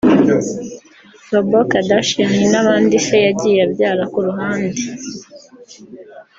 Rob Kardashian n’abandi se yagiye abyara ku ruhande